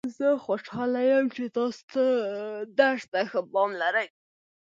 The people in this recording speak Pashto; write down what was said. زه خوشحاله یم چې تاسو درس ته ښه پام لرئ